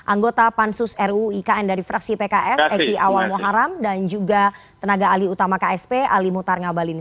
anggota pansus ruikn dari fraksi pks eki awal muharam dan juga tenaga ali utama ksp ali mutar ngabalin